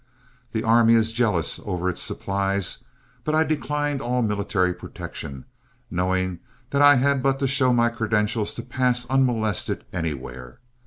The army is jealous over its supplies, but I declined all military protection, knowing that I had but to show my credentials to pass unmolested anywhere.